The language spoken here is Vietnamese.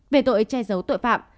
về tội che giấu tội phạm